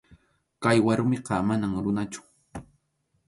Kay warmiqa manam runachu.